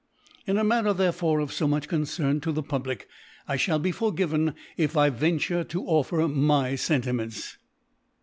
In ( ^75) In a Matter therefore of fo much Concern to the Public, 1 (hall be for^ven» if 1 ven ture to offer my Sentiments.